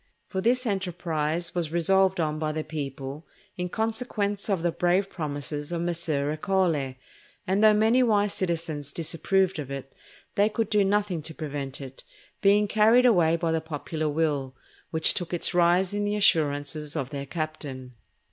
For this enterprise was resolved on by the people in consequence of the brave promises of Messer Ercole; and though many wise citizens disapproved of it, they could do nothing to prevent it, being carried away by the popular will, which took its rise in the assurances of their captain.